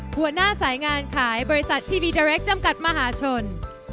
หัวหน้าสายงานขายบริษัททีวีเดอเรคจำกัดมหาชน